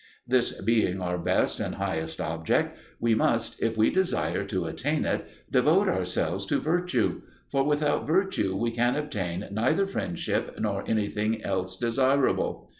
This being our best and highest object, we must, if we desire to attain it, devote ourselves to virtue; for without virtue we can obtain neither friendship nor anything else desirable.